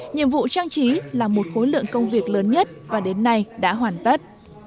nhiệm vụ trang trí là một khối lượng công việc lớn nhất và đến nay đã hoàn tất